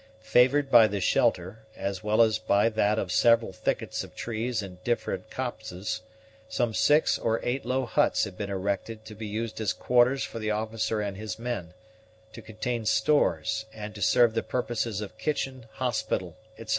Favored by this shelter, as well as by that of several thickets of trees and different copses, some six or eight low huts had been erected to be used as quarters for the officer and his men, to contain stores, and to serve the purposes of kitchen, hospital, etc.